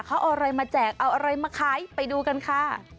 เขาเอาอะไรมาแจกเอาอะไรมาขายไปดูกันค่ะ